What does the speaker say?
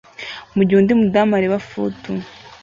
mugihe undi mudamu areba foot